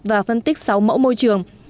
và phân tích sáu mẫu môi trường